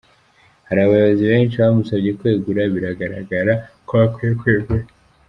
"Hari abayobozi benshi bamusabye kwegura - biragaragara ko akwiye kwegura.